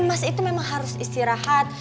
emas itu memang harus istirahat